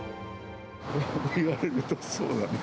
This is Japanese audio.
そう言われるとそうだね。